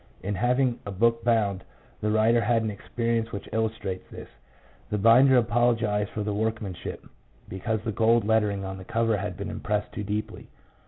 In having a book bound, the writer had an experience which illustrates this. The binder apologized for the workmanship, because the gold lettering on the cover had been impressed too deeply.